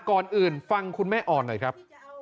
ก่อนอื่นฟังคุณแม่อ่อนหน่อยครับ